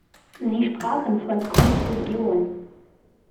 Sie sprachen von Konfusion.